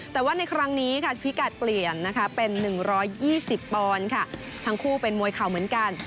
แต่ว่าในครั้งนี้ค่ะพิกัดเปลี่ยนนะคะเป็น๑๒๐ปอนด์ค่ะทั้งคู่เป็นมวยเข่าเหมือนกัน